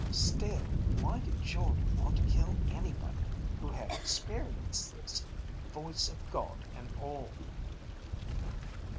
"Still, why did Jordde want to kill anybody who had experienced this, voice of God and all?"